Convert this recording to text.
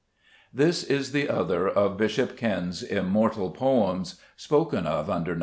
This is the other of Bishop Ken's immortal hymns, spoken of under No.